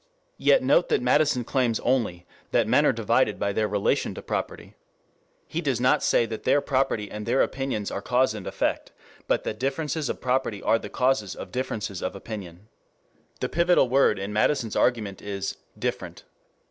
Yet note that Madison claims only that men are divided by their relation to property. He does not say that their property and their opinions are cause and effect, but that differences of property are the causes of differences of opinion. The pivotal word in Madison's argument is "different."